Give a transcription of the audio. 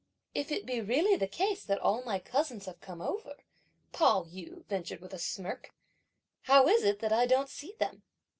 "If it be really the case that all my cousins have come over," Pao yü ventured with a smirk, "how is it that I don't see them?"